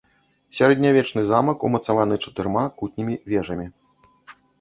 Сярэднявечны замак умацаваны чатырма кутнімі вежамі.